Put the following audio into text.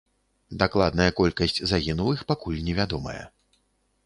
Дакладная колькасць загінулых пакуль невядомая.